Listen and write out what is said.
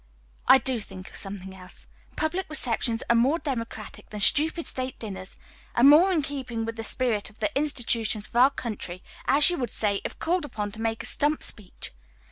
"I do think of something else. Public receptions are more democratic than stupid state dinners are more in keeping with the spirit of the institutions of our country, as you would say if called upon to make a stump speech.